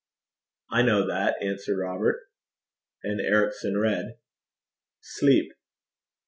'I know that,' answered Robert. And Ericson read. SLEEP.